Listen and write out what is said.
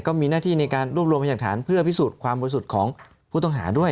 ก็มีหน้าที่ในการรวบรวมพยากฐานเพื่อพิสูจน์ความบริสุทธิ์ของผู้ต้องหาด้วย